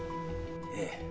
ええ。